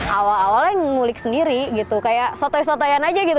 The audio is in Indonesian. awal awalnya ngulik sendiri gitu kayak sotoy sotoyan aja gitu